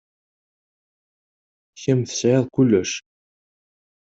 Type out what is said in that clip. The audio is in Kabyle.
Kemm tesɛiḍ kullec.